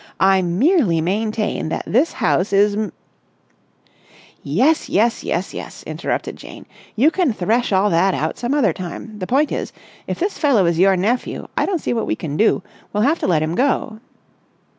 "I merely maintain that this house is m...." "Yes, yes, yes, yes!" interrupted Jane. "You can thresh all that out some other time. The point is, if this fellow is your nephew, I don't see what we can do. We'll have to let him go."